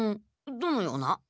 どのような？